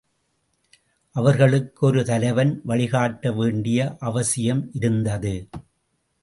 அவர்களுக்கு ஒரு தலைவன் வழிகாட்ட வேண்டிய அவசியம் இருந்தது.